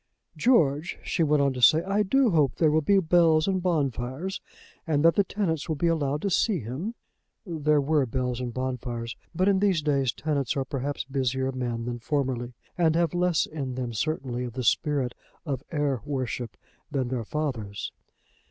"George," she went on to say, "I do hope there will be bells and bonfires, and that the tenants will be allowed to see him." There were bells and bonfires. But in these days tenants are perhaps busier men than formerly, and have less in them certainly of the spirit of heir worship than their fathers.